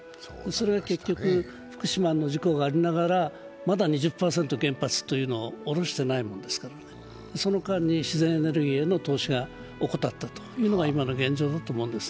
それは結局福島の事故がありながらまだ２０％原発というのを下ろしてないものですからその間に自然エネルギーへの投資を怠ったというのが今の現状だと思うんです。